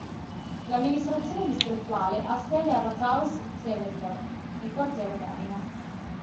L'amministrazione distrettuale ha sede al "Rathaus Zehlendorf", nel quartiere omonimo.